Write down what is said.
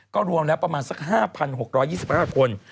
ก็รวมแล้วประมาณสัก๕๖๒๕คน